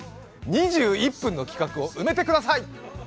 ２１分の企画を埋めてください！